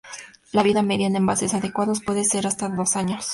La vida media en envases adecuados puede ser de hasta dos años.